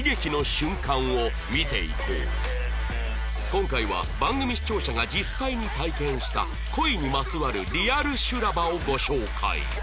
今回は番組視聴者が実際に体験した恋にまつわるリアル修羅場をご紹介